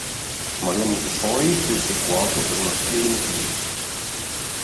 Maria Montessori scelse il quadro per una serie di motivi.